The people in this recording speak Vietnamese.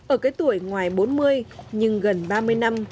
ở cái tuổi ngoài bốn mươi nhưng gần ba mươi năm